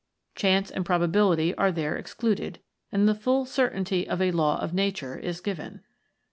Chance and probability are there excluded, and the full certainty of a Law of Nature is given.